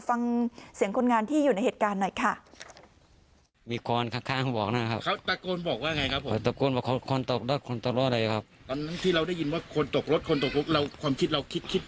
ฟังเสียงคนงานที่อยู่ในเหตุการณ์หน่อยค่ะ